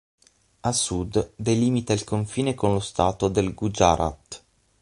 A sud delimita il confine con lo Stato del Gujarat.